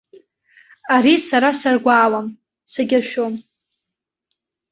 Ари сара саргәаауам, сагьаршәом.